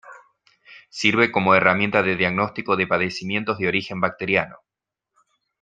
Sirve como herramienta de diagnóstico de padecimientos de origen bacteriano.